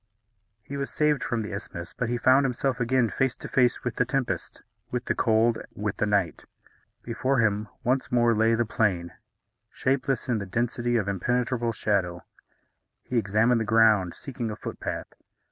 He was saved from the isthmus; but he found himself again face to face with the tempest, with the cold, with the night. Before him once more lay the plain, shapeless in the density of impenetrable shadow. He examined the ground, seeking a footpath.